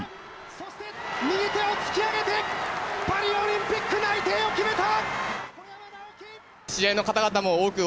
そして右手を突き上げてパリオリンピック内定を決めた！